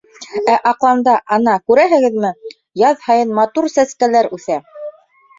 Ә аҡланда, ана, күрәһегеҙме, яҙ һайын матур сәскәләр үҫә...